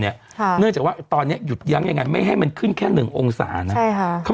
เนื่องจากว่าตอนนี้หยุดยั้งยังไงไม่ให้มันขึ้นแค่๑องศานะ